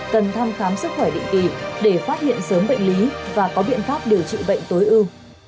cần thăm khám sức khỏe định kỳ để phát hiện sớm bệnh lý và có biện pháp điều trị bệnh tối ưu